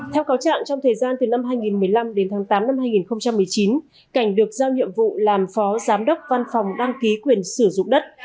theo cáo trạng trong thời gian từ năm hai nghìn một mươi năm đến tháng tám năm hai nghìn một mươi chín cảnh được giao nhiệm vụ làm phó giám đốc văn phòng đăng ký quyền sử dụng đất